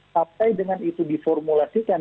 tapi dengan itu diformulasikan